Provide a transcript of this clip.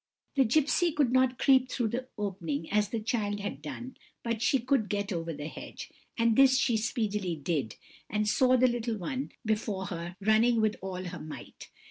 The gipsy could not creep through the opening as the child had done, but she could get over the hedge; and this she speedily did, and saw the little one before her, running with all her might.